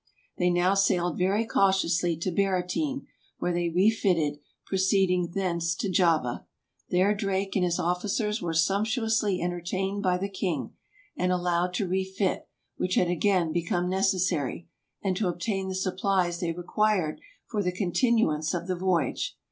They now sailed very cautiously to Baratene, where they refitted, proceeding thence to Java. There Drake and his 46 TRAVELERS AND EXPLORERS officers were sumptuously entertained by the king, and allowed to refit, which had again become necessary, and to obtain the supplies they required for the continuance of the voyage.